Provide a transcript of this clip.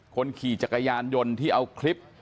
คนขี่จักรยานยนต์ที่เอาคลิป